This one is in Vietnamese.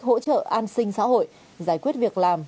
hỗ trợ an sinh xã hội giải quyết việc làm